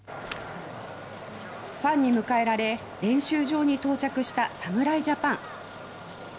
ファンに迎えられ練習場に到着した侍ジャパン。